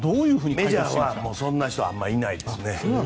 メジャーはそんな人はあまりいないですね。